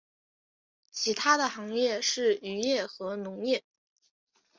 其它的行业是渔业和农业。